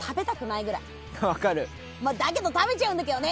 だけど食べちゃうんだけどね。